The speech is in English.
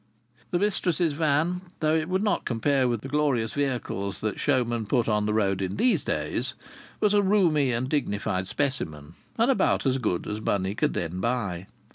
The mistress's van, though it would not compare with the glorious vehicles that showmen put upon the road in these days, was a roomy and dignified specimen, and about as good as money could then buy.